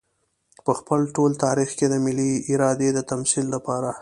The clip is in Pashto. په خپل ټول تاريخ کې د ملي ارادې د تمثيل لپاره.